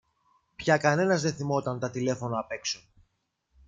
Πια κανένας δε θυμόταν τα τηλέφωνα απ’ έξω